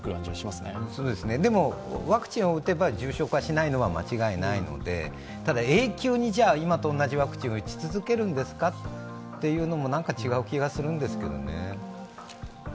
でも、ワクチンを打てば重症化しないのは間違いないのでただ永久に今と同じワクチンを打ち続けるのもなんか違う気がするんですけどね。